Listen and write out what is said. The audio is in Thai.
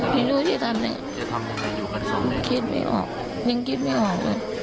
พี่ดูจะทำยังไงคิดไม่ออกยังคิดไม่ออกเลย